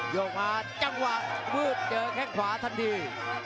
โยกมาจังหวะมืดเจอแค่งขวาทันที